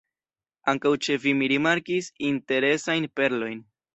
Ankaŭ ĉe vi mi rimarkis interesajn ‘perlojn’.